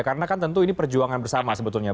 karena kan tentu ini perjuangan bersama sebetulnya